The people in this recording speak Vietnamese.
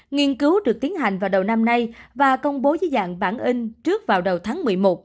nghiên cứu được tiến hành vào đầu năm nay và công bố dưới dạng bản in trước vào đầu tháng một mươi một